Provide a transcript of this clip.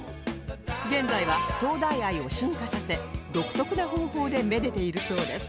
現在は灯台愛を進化させ独特な方法で愛でているそうです